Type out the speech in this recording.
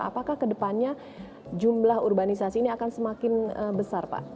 apakah kedepannya jumlah urbanisasi ini akan semakin besar pak